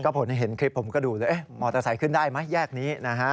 ก็เห็นคลิปผมก็ดูมอเตอร์ไซค์ขึ้นได้ไหมแยกนี้